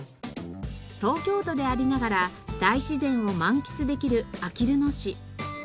東京都でありながら大自然を満喫できるあきる野市。